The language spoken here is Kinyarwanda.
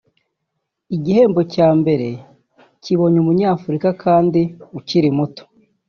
igihembo cya mbere kibonye Umunyafurika kandi ukiri muto